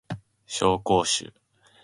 紹興酒